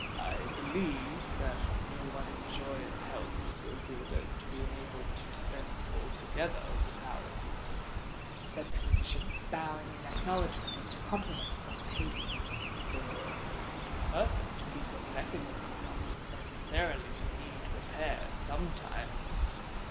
"I believe that no one enjoys health so good as to be enabled to dispense altogether with our assistance," said the physician, bowing in acknowledgment of the compliment thus paid him. "The most perfect piece of mechanism must necessarily need repair sometimes."